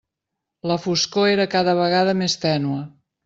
La foscor era cada vegada més tènue.